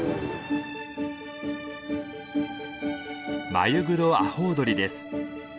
マユグロアホウドリです。